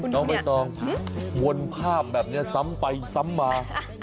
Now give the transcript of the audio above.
น้องใบตองวนภาพแบบนี้ซ้ำไปซ้ำมา